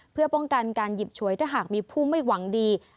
เพื่อป้องกันการหยิบฉวยถ้าหากมีผู้ไม่หวังดี